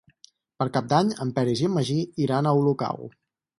Per Cap d'Any en Peris i en Magí iran a Olocau.